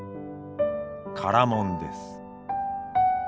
唐門です。